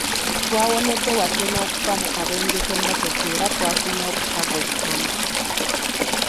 Twawonedde watono okufa mu kabenje k'emmotoka era twafunye obusago butono.